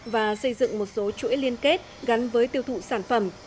và xây dựng một số chuỗi liên kết gắn với tiêu thụ sản phẩm